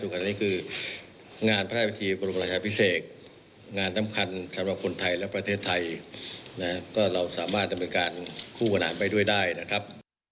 ก็เราสามารถทำเป็นการคู่กันหาดไปด้วยได้นะครับ